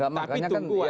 tapi tunggu waktu